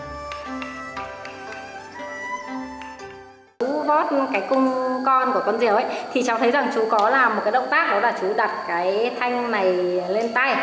chú vót cái cung con của con rìu ấy thì cháu thấy rằng chú có làm một cái động tác đó là chú đặt cái thanh này lên tay